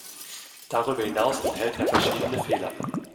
Darüber hinaus enthält er verschiedene Fehler.